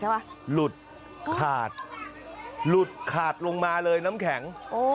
หลุดขาดหลุดขาดลงมาเลยน้ำแข็ง